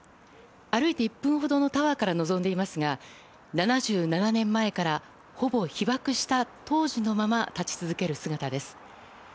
歩いて１分ほどのタワーから望んでいますが７７年前から、ほぼ被爆した当時のまま立ち続ける姿です。